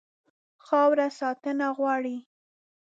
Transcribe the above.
خاوره ساتنه غواړي.